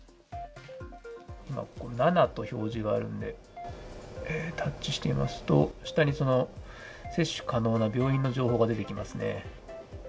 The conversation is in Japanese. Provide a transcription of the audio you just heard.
今、ここ７と表示があるんで、タッチしてみますと、下にその接種可能な病院の情報が出てきますね。